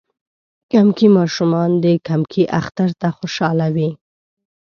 کمکي ماشومان د کمکی اختر ته خوشحاله وی.